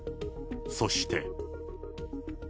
そして。